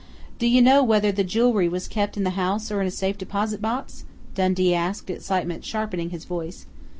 "Do you know whether the jewelry was kept in the house or in a safe deposit box?" Dundee asked, excitement sharpening his voice.